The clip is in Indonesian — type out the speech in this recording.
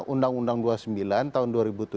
undang undang dua puluh sembilan tahun dua ribu tujuh